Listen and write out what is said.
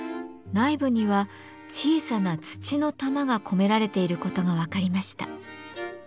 内部には小さな土の玉が込められていることが分かりました。